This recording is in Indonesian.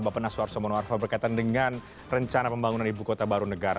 dan kepala bapak naswar somonu arfa berkaitan dengan rencana pembangunan ibu kota baru negara